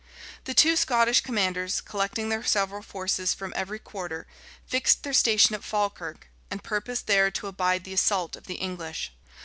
The two Scottish commanders, collecting their several forces from every quarter, fixed their station at Falkirk, and purposed there to abide the assault of the English.